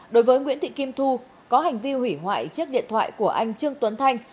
đối với nguyễn thị kim thu có hành vi hủy hoại chiếc điện thoại của anh trương tuấn thanh